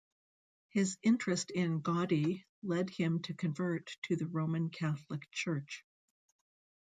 His interest in Gaudi led him to convert to the Roman Catholic Church.